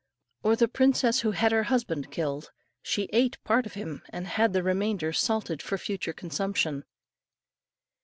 Or the princess who had her husband killed; she ate part of him, and had the remainder salted for future consumption.